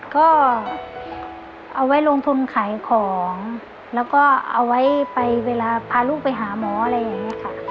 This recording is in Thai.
ก็เอาไว้ลงทุนขายของแล้วก็เอาไว้ไปเวลาพาลูกไปหาหมออะไรอย่างนี้ค่ะ